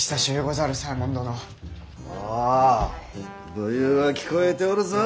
武勇は聞こえておるぞ。